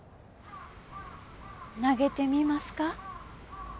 投げてみますか？